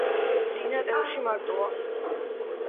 ლინა ტევრში მარტოა.